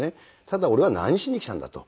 ただ俺は何しに来たんだと。